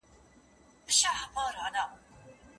موزيم به څومره قيمت ورکړي؟